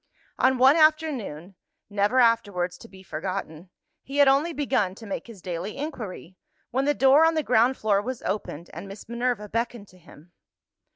On one afternoon never afterwards to be forgotten he had only begun to make his daily inquiry, when the door on the ground floor was opened, and Miss Minerva beckoned to him.